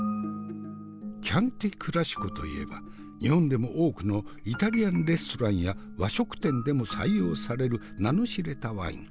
キャンティ・クラシコといえば日本でも多くのイタリアンレストランや和食店でも採用される名の知れたワイン。